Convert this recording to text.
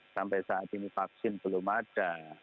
sampai saat ini vaksin belum ada